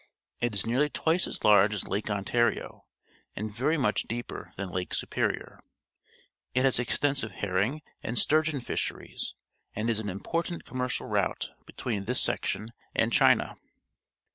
It is nearly twice as large as Lake Ontario and very much deeper than Lake Superioi . It has extensive herring and sturgeon fish eries and is an important commercial route between this section and Cliina.